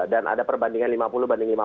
dan ada perbandingan lima puluh lima puluh